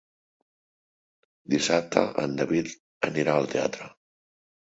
Dissabte en David anirà al teatre.